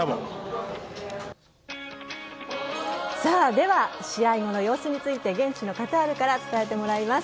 では試合の後の様子について現地のカタールから伝えてもらいます。